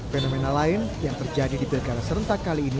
fenomena lain yang terjadi di pilkada serentak kali ini